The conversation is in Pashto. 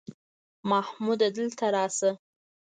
محموده دلته راسه!